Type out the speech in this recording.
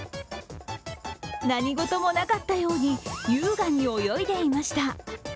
何事もなかったように優雅に泳いでいました。